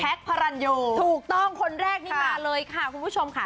พระรันโยถูกต้องคนแรกนี่มาเลยค่ะคุณผู้ชมค่ะ